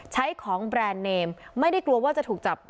ใช้ของแบรนด์เนมไม่ได้กลัวว่าจะถูกจับ